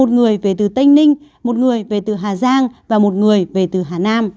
một người về từ tây ninh một người về từ hà giang và một người về từ hà nam